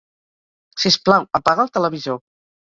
Sisplau, apaga el televisor.